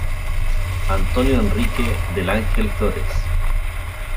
Antonio Enrique del Ángel Flores.